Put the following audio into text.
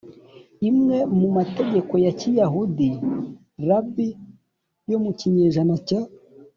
imwe mu mategeko ya Kiyahudi rabi yo mu kinyejana cya